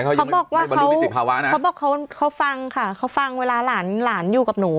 เขาบอกว่าเขานิติภาวะนะเขาบอกเขาเขาฟังค่ะเขาฟังเวลาหลานหลานอยู่กับหนู